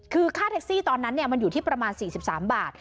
คือค่าแท็กซี่ตอนนั้นมันอยู่ที่ประมาณ๔๓บาท